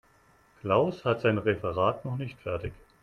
Klaus hat sein Referat noch nicht fertig.